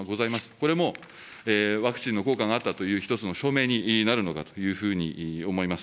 これもワクチンの効果があったという、一つの証明になるのかというふうに思います。